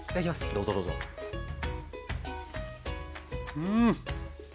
うん！